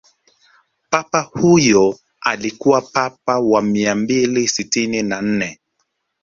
papa huyo alikuwa papa wa mia mbili sitini na nne